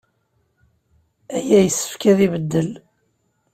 Aya yessefk ad ibeddel.